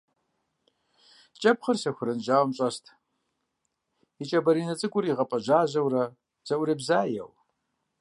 КӀэпхъыр сэхуран жьауэм щӀэст, и кӀэ баринэ цӀыкӀур игъэпӀэжьажьэурэ зэӀурыбзаеу.